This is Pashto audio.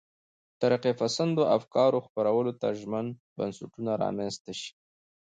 ترقي پسندو افکارو خپرولو ته ژمن بنسټونه رامنځته شي.